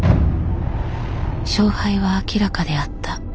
勝敗は明らかであった。